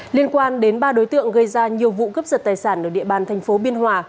liên quan đến ba đối tượng gây ra nhiều vụ cướp giật tài sản ở địa bàn thành phố biên hòa